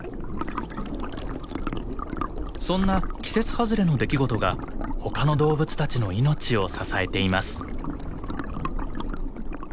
そんな季節外れの出来事が他の動物たちの命を支えています。